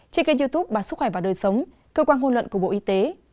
trên kênh youtube bản sức khỏe và đời sống cơ quan hôn luận của bộ y tế